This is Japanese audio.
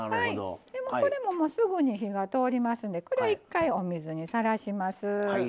これもすぐに火が通りますんでこれは一回お水にさらします。